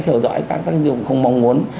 theo dõi các tác dụng không mong muốn